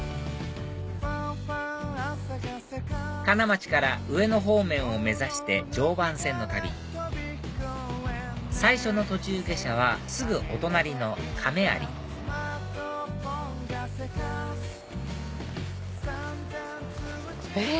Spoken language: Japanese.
金町から上野方面を目指して常磐線の旅最初の途中下車はすぐお隣の亀有えっ？